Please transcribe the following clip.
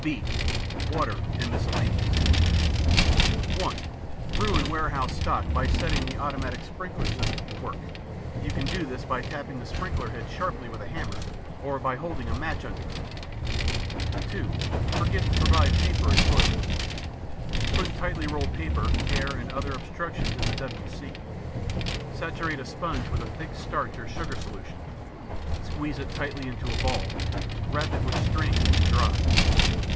(b) Water and miscellaneous (1) Ruin warehouse stock by setting the automatic sprinkler system to work. You can do this by tapping the sprinkler heads sharply with a hammer or by holding a match under them. (2) Forget to provide paper in toilets; put tightly rolled paper, hair, and other obstructions in the W. C. Saturate a sponge with a thick starch or sugar solution. Squeeze it tightly into a ball, wrap it with string, and dry.